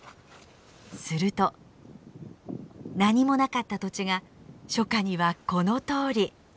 すると何もなかった土地が初夏にはこのとおり。